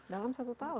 dalam satu tahun